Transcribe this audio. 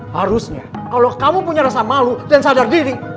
harusnya kalau kamu punya rasa malu dan sadar diri